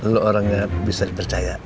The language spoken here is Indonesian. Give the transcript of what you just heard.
lu orangnya bisa dipercaya